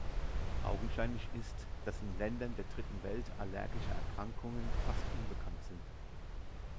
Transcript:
Augenscheinlich ist, dass in Ländern der Dritten Welt allergische Erkrankungen fast unbekannt sind.